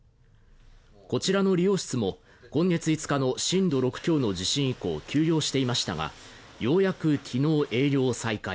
こちらの理容室も今月５日の震度６強の地震以降休業していましたが、ようやく昨日営業を再開。